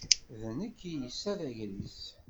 D nekk i yessa d agris.